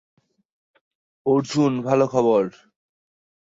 অর্জুন, ভালো খবর।